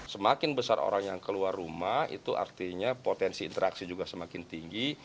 semakin besar orang yang keluar rumah itu artinya potensi interaksi juga semakin tinggi